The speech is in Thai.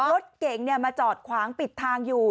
รถเก๋งมาจอดขวางปิดทางอยู่